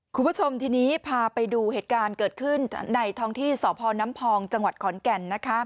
คุณผู้ชมทีนี้พาไปดูเหตุการณ์เกิดขึ้นในท้องที่สพน้ำพองจังหวัดขอนแก่น